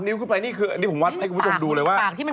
นี่คือแบบนี้ผมว่าให้ทุกผู้ชมดูเลยว่า